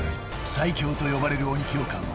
［「最恐」と呼ばれる鬼教官は］